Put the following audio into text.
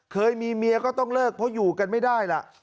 เคยมีเมียก็ต้องเลิกเพราะอยู่กันไม่ได้ล่ะ